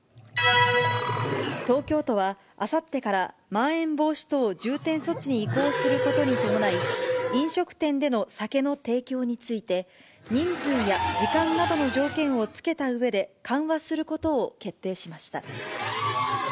東京都は、あさってからまん延防止等重点措置に移行することに伴い、飲食店での酒の提供について、人数や時間などの条件をつけたうえで緩和することを決定しました。